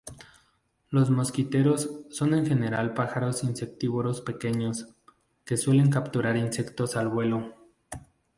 Los mosquiteros son en general pájaros insectívoros pequeños, que suelen capturar insectos al vuelo.